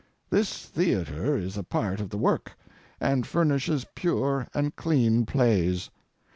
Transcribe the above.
This theatre is a part of the work, and furnishes pure and clean plays.